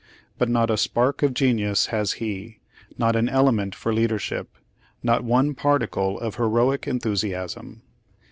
But not a spark of genius has he ; not an element for leadership; not one particle of heroic enthusiasm."